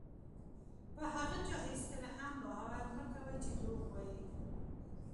په هغه چا هېڅکله هم باور مه کوئ چې دروغ وایي.